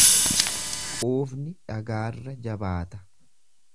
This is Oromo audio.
Quufni dhagaarra jabaata.